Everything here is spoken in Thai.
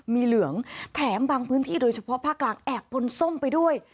มีเหลืองแถมบางพื้นที่โดยเฉพาะภาคกลางแอบปนส้มไปด้วย